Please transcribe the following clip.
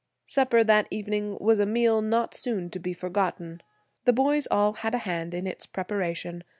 Supper that evening was a meal not soon to be forgotten. The boys all had a hand in its preparation.